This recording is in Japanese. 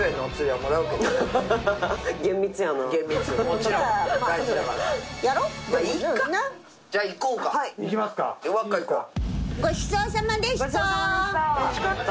ごちそうさまでした。